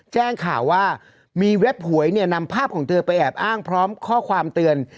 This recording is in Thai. แจ้งข่าวว่ามีเว็บหวยเนี่ยนำภาพของเธอไปแอบอ้างพร้อมข้อความเตือน